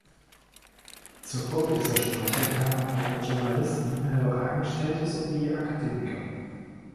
Zur Gruppe dieser Sprecher gehören etwa Journalisten, höhere Angestellte sowie Akademiker.